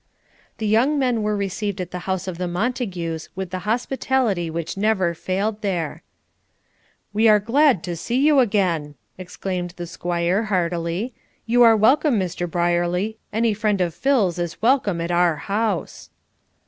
The young men were received at the house of the Montagues with the hospitality which never failed there. "We are glad to see you again," exclaimed the Squire heartily, "you are welcome Mr. Brierly, any friend of Phil's is welcome at our house."